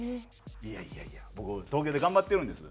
「いやいやいや僕東京で頑張ってるんです」。